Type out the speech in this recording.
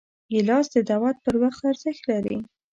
ګیلاس د دعوت پر وخت ارزښت لري.